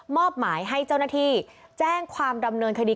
อบหมายให้เจ้าหน้าที่แจ้งความดำเนินคดี